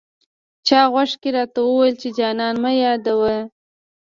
چا غوږ کې راته وویې چې جانان مه یادوه.